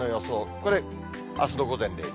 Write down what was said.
これ、あすの午前０時。